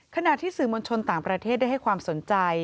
ขณะที่สื่อมวลชนต่างประเทศได้ให้ความสนใจ